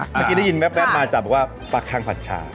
เมื่อกี้ได้ยินแป๊บมาจากบอกว่าปลาคังผัดชา